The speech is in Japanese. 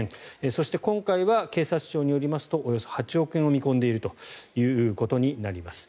そして、今回は警察庁によりますとおよそ８億円を見込んでいるということです。